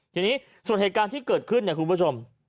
ทีนี้ส่วนเหตุการณ์ที่เกิดขึ้นเนี่ยคุณผู้ชม